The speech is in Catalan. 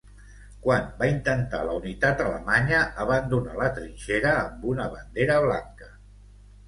Quan va intentar la unitat alemanya abandonar la trinxera amb una bandera blanca?